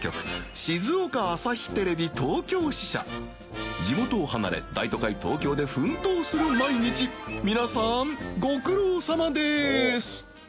静岡朝日テレビ東京支社地元を離れ大都会東京で奮闘する毎日皆さんご苦労さまです